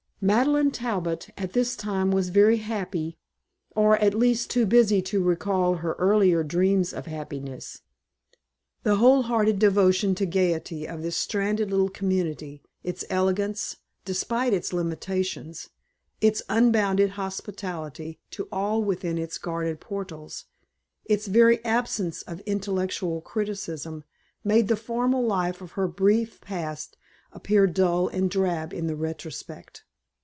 Madeleine Talbot at this time was very happy, or, at least, too busy to recall her earlier dreams of happiness. The whole hearted devotion to gaiety of this stranded little community, its elegance, despite its limitations, its unbounded hospitality to all within its guarded portals, its very absence of intellectual criticism, made the formal life of her brief past appear dull and drab in the retrospect.